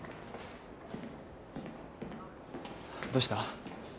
どうした？